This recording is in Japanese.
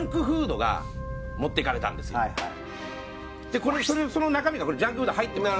あのこれその中身がこれジャンクフード入ってます